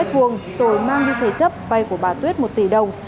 rồi mang như thế chấp vay của bà tuyết một tỷ đồng